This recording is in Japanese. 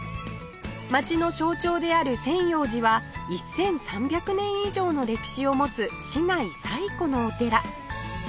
街の象徴である千葉寺は１３００年以上の歴史を持つ市内最古のお寺